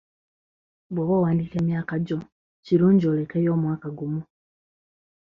Bw’oba owandiika emyaka gyo kirungi olekeyo omwaka gumu.